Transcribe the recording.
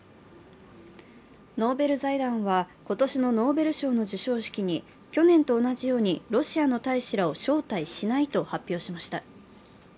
ノーベル財団は今年のノーベル賞の授賞式に去年と同じくロシアの大使らを招待しないと発表しました。